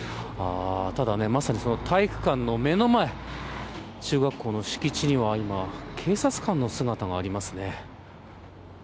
ただ、まさにその体育館の目の前中学校の敷地には今警察官の姿がありますね。